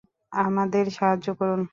আমাদের সাহায্য করুন!